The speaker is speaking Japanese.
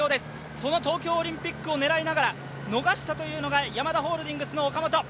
その東京オリンピックを狙いながら逃したというのがヤマダホールディングスの岡本。